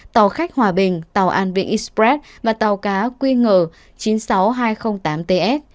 tàu khách hòa bình tàu an viện express và tàu cá quy ngờ chín mươi sáu nghìn hai trăm linh tám ts